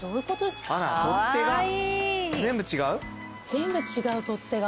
全部違う取っ手が。